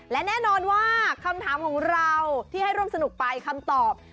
และแน่นอนว่าคำถามของเราที่ให้ร่วมสนุกไปคำตอบ